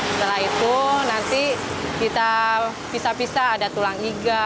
setelah itu nanti kita pisah pisah ada tulang iga